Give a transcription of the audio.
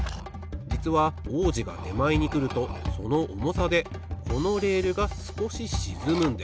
じつは王子がてまえにくるとそのおもさでこのレールがすこししずむんです。